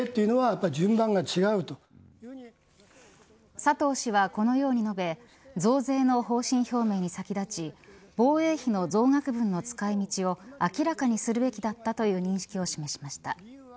佐藤氏はこのように述べ増税の方針表明に先立ち防衛費の増額分の使い道を明らかにするべきだったとの認識を示しました。